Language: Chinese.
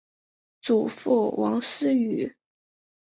祖父王思与。